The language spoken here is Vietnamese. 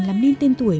làm nên tên tuổi